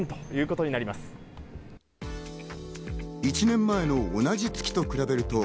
１年前の同じ月と比べると、